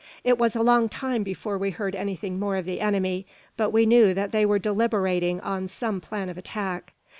It was a long time before we heard anything more of the enemy; but we knew that they were deliberating on some plan of attack.